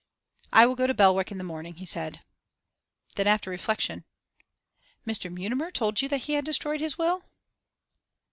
'I will go to Belwick in the morning,' he said. Then, after reflection, 'Mr. Mutimer told you that he had destroyed his will?